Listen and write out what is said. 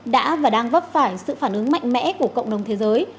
đã và đang vấp phải sự phản ứng mạnh mẽ của cộng đồng thế giới